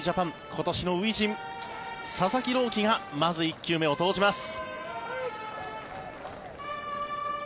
今年の初陣佐々木朗希がまず１球目を投じます。